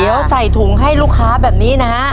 เดี๋ยวใส่ถุงให้ลูกค้าแบบนี้นะฮะ